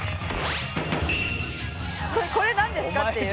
「これなんですか？っていう」